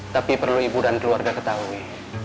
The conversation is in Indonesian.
tapi perlu ibu dan keluarga ketahui